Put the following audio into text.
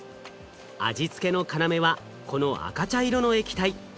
味付けの要はこの赤茶色の液体。